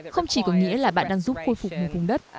không chỉ có nghĩa là bạn đang giúp khuôn phục